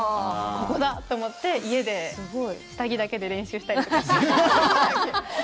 ここだ！と思って家で下着だけで練習したりとかしてました。